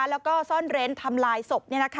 แล้วก็ซ่อนเร้นทำลายศพ